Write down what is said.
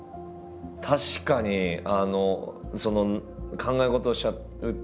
確かに考え事をしちゃう枕に。